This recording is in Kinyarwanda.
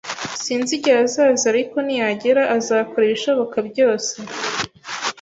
Sinzi igihe azazira, ariko niyagera, azakora ibishoboka byose.